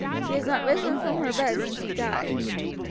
She has not risen from her bed since he died.